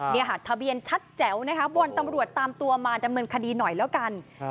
นี่ค่ะทะเบียนชัดแจ๋วนะคะวอนตำรวจตามตัวมาดำเนินคดีหน่อยแล้วกัน